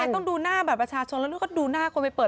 ใช่ต้องดูหน้าบัตรประชาชนหรือดูหน้าคนไปเปิด